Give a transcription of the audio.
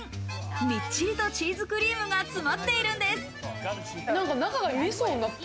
みっちりとチーズクリームが詰まっているんです。